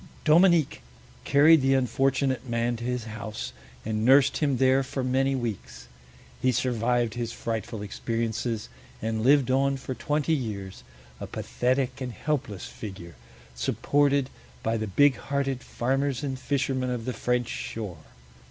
Dominic carried the unfortunate man to his house, and nursed him there for many weeks. He survived his frightful experiences, and lived on for twenty years, a pathetic and helpless figure, supported by the big hearted farmers and fishermen of the French shore.